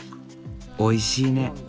「おいしいね」。